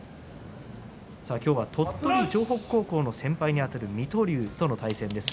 今日は鳥取城北高校の先輩にあたる水戸龍との対戦です。